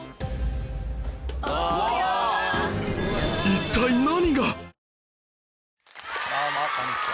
一体何が！？